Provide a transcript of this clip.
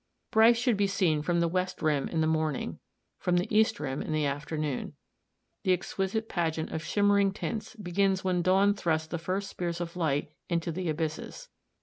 Bryce should be seen from the west rim in the morning, from the east rim in the afternoon. The exquisite pageant of shimmering tints begins when dawn thrusts the first spears of light into the abysses.